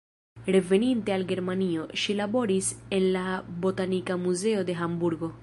Reveninte al Germanio, ŝi laboris en la Botanika Muzeo de Hamburgo.